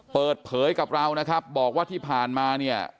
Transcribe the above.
เปิดเผยกับเรานะครับบอกว่าที่ผ่านมาเนี่ย